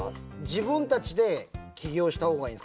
自分たちで起業した方がいいんですか？